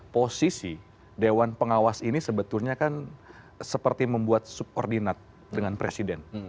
posisi dewan pengawas ini sebetulnya kan seperti membuat subordinat dengan presiden